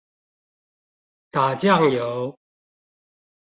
打醬油